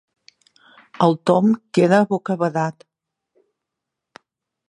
El Tom queda bocabadat.